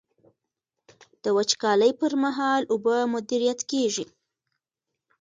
د وچکالۍ پر مهال اوبه مدیریت کیږي.